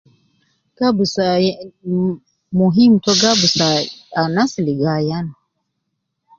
Na abus aya mh muhim to gi abus ah ,anas ligo ayan